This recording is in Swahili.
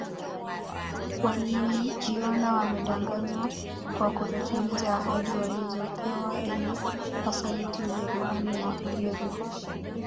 Walijiona wamedanganywa kwa kutotimiziwa ahadi walizopewa ili Wasaliti Ujerumani na Hungaria